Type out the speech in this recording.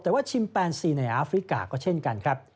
แต่ว่าชิมแปนซีในอาฟริกาก็เช่นกันครับ